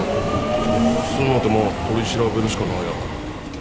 どうすんのってまあ取り調べるしかないやろ。